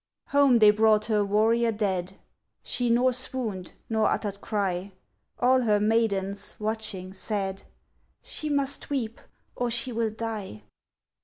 Home they brought her warrior dead: She nor swooned, nor uttered cry; All her maidens, watching, said, "She must weep or she will die."